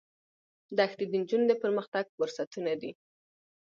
دښتې د نجونو د پرمختګ فرصتونه دي.